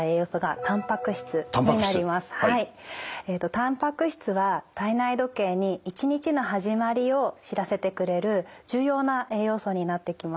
たんぱく質は体内時計に一日の始まりを知らせてくれる重要な栄養素になってきます。